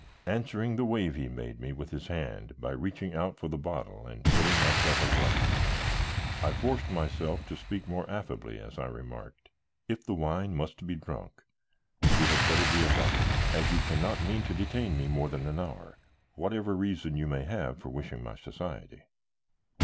Answering the wave he made me with his hand by reaching out for the bottle and filling myself a glass, I forced myself to speak more affably as I remarked: "If the wine must be drunk, we had better be about it, as you can not mean to detain me more than an hour, whatever reason you may have for wishing my society."